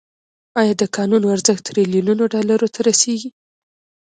آیا د کانونو ارزښت تریلیونونو ډالرو ته رسیږي؟